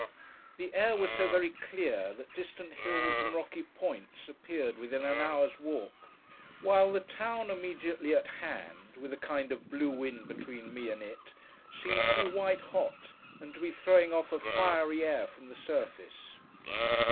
The air was so very clear, that distant hills and rocky points appeared within an hour's walk; while the town immediately at hand—with a kind of blue wind between me and it—seemed to be white hot, and to be throwing off a fiery air from the surface.